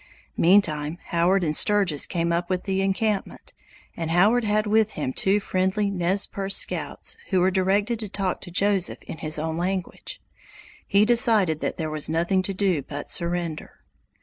Meantime Howard and Sturgis came up with the encampment, and Howard had with him two friendly Nez Perce scouts who were directed to talk to Joseph in his own language. He decided that there was nothing to do but surrender.